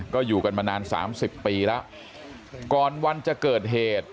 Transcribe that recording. ก็อยู่กันมานานสามสิบปีแล้วก่อนวันจะเกิดเหตุ